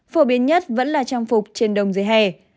phổ biến nhất vẫn là trang phục trên đồng dưới hè